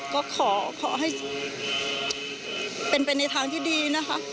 ก็ขอให้เป็นไปในทางที่ดีนะคะ